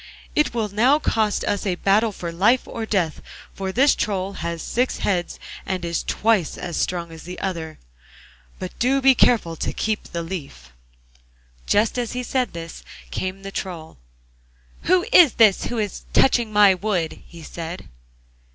It will now cost us a battle for life or death, for this Troll has six heads and is twice as strong as the other, but do be careful to keep the leaf.' Just as he said this came the Troll. 'Who is that who is touching my wood?' he said.